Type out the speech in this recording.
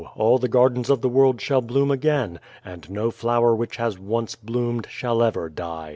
all the gardens of the world shall bloom again, and no flower which has once bloomed shall ever die."